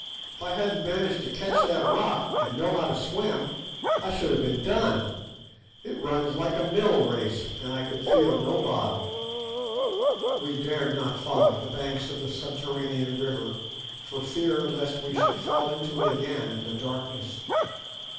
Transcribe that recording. If I hadn't managed to catch that rock, and known how to swim, I should have been done. It runs like a mill race, and I could feel no bottom." We dared not follow the banks of the subterranean river for fear lest we should fall into it again in the darkness.